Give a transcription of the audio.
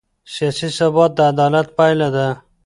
سیاسي ثبات د عدالت پایله ده